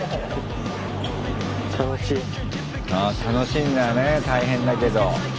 楽しいんだよね大変だけど。